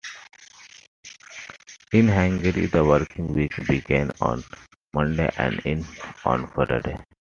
In Hungary the working week begins on Monday and ends on Friday.